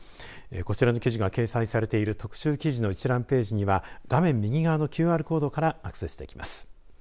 こちらの記事が掲載されている特集記事の一覧ページには画面右側のＱＲコードからアクセスできます。